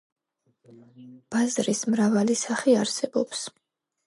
ბაზრის მრავალი სახე არსებობს.